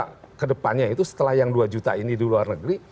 karena kedepannya itu setelah yang dua juta ini di luar negeri